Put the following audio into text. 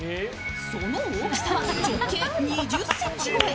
その大きさは直径２０ｃｍ超え。